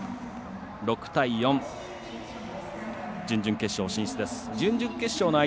６対４、準々決勝進出です。